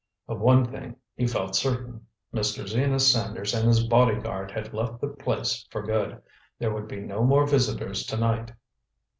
Of one thing he felt certain: Mr. Zenas Sanders and his bodyguard had left the place for good. There would be no more visitors tonight.